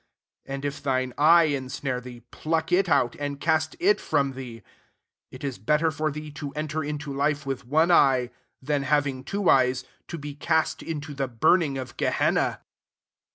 9 And if thine eye in snare thee, pluck it out, and cast it from thee : it is better for thee to enter into life with one eye, than, having two eyes, to be cast into the burning of Ge henna.